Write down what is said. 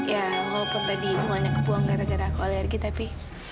ya walaupun tadi bunganya keburu gara gara aku alergi tapi